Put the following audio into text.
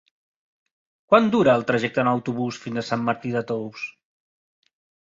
Quant dura el trajecte en autobús fins a Sant Martí de Tous?